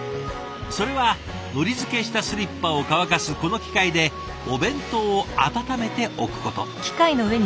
それはのり付けしたスリッパを乾かすこの機械でお弁当を温めておくこと。